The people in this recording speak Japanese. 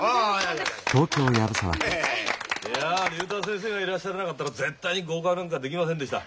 いや竜太先生がいらっしゃらなかったら絶対に合格なんかできませんでした。